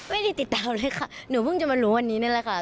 ไม่ได้ติดตามเลยค่ะหนูเพิ่งจะมารู้วันนี้นั่นแหละค่ะ